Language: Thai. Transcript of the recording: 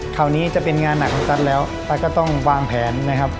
คราวนี้จะเป็นงานหนักของตั๊ดแล้วตั๊ดก็ต้องวางแผนนะครับ